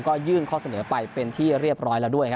ก็ยื่นเขาเสนอไปหรือที่เรียบร้อยแล้วด้วยครับ